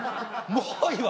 もういいわ！